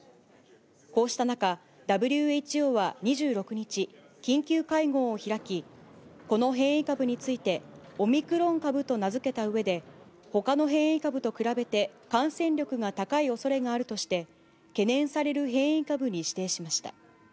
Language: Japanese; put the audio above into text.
こうした中、ＷＨＯは２６日、緊急会合を開き、この変異株について、オミクロン株と名付けたうえで、ほかの変異株と比べて、感染力が高いおそれがあるとして、懸念される変異株に指定しました。